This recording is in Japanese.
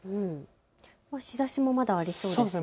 日ざしもまだありそうですね。